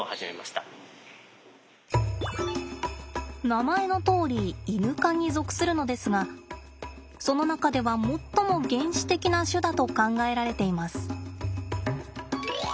名前のとおりイヌ科に属するのですがその中では最も原始的な種だと考えられています。